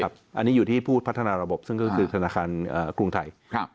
อันนี้อยู่ที่ผู้พัฒนาระบบซึ่งก็คือธนาคารกรุงไทย